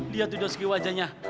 lihat udah segi wajahnya